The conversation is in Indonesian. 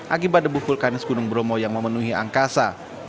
akibat debu vulkanis gunung bromo yang memenuhi angkasa